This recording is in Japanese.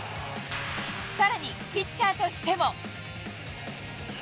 さらに、ピッチャーとしても。